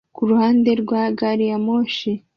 kuruhande rwa gari ya moshi